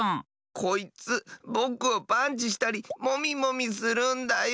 こいつぼくをパンチしたりモミモミするんだよ。